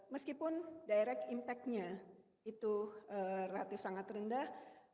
meskipun direct impactnya itu relatif sangat rendah